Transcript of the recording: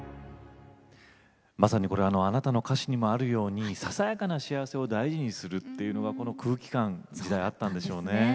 まさにこれ「あなた」の歌詞にもあるようにささやかな幸せを大事にするっていうのがこの空気感時代あったんでしょうね。